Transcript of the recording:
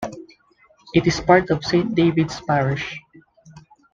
It is part of Saint David's Parish.